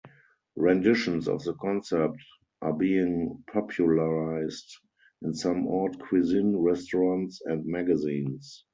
Renditions of the concept are being popularized in some haute cuisine restaurants and magazines.